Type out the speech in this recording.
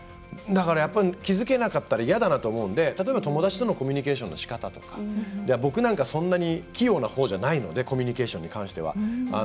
だから、気付けなかったら嫌だなと思うので例えば友達とのコミュニケーションのしかたとかそんなに器用なほうじゃないのでコミュニケーションに関しては。